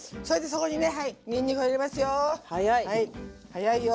早いよ。